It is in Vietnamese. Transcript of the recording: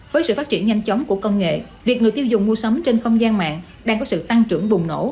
với sự phát triển nhanh chóng của công nghệ việc người tiêu dùng mua sắm trên không gian mạng đang có sự tăng trưởng bùng nổ